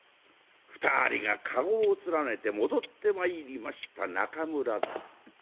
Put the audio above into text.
２人が駕籠を連ねて戻ってまいりました中村座。